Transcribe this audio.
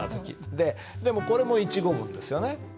ででもこれも一語文ですよね。